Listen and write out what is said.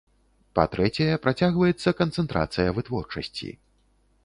Па-трэцяе, працягваецца канцэнтрацыя вытворчасці.